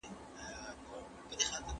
اقتصادي ستونزې د کاري ژوند اغېز کمزوری کوي.